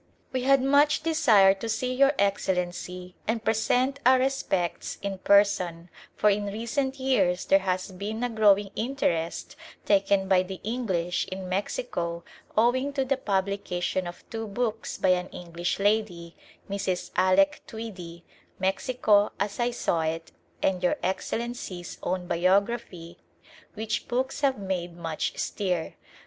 We had much desire to see Your Excellency and present our respects in person, for in recent years there has been a growing interest taken by the English in Mexico owing to the publication of two books by an English lady, Mrs. Alec Tweedie, Mexico As I Saw It and Your Excellency's own biography, which books have made much stir.